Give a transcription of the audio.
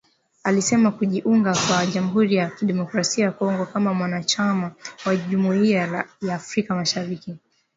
Alisema kujiunga kwa Jamhuri ya Kidemokrasia ya Kongo kama mwanachama wa Jumuiya ya Afrika Mashariki